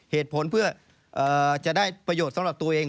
เหตุผลเพื่อจะได้ประโยชน์สำหรับตัวเอง